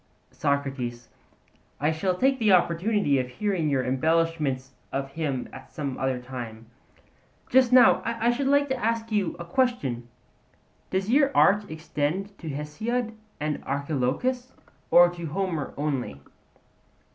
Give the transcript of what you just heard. SOCRATES: I shall take an opportunity of hearing your embellishments of him at some other time. But just now I should like to ask you a question: Does your art extend to Hesiod and Archilochus, or to Homer only?